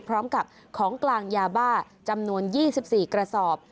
พร้อมกับของกลางยาบ้าจำนวน๒๔กระสอบ